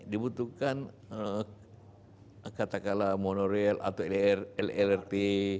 dibutuhkan monorail atau lrt